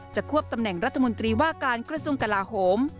ควบตำแหน่งรัฐมนตรีว่าการกระทรวงกลาโหม